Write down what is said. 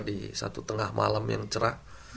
di satu tengah malam yang cerah